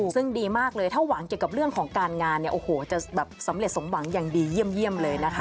ซึ่งดีมากเลยถ้าหวังเกี่ยวกับเรื่องของการงานเนี่ยโอ้โหจะแบบสำเร็จสมหวังอย่างดีเยี่ยมเลยนะคะ